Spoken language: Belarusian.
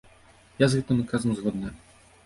Я з гэтым адказам згодная.